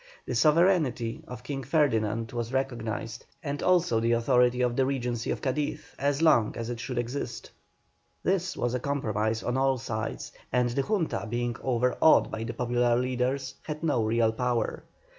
The sovereignty of King Ferdinand was recognised, and also the authority of the Regency of Cadiz, so long as it should exist. This was a compromise on all sides, and the Junta being overawed by the popular leaders, had no real power.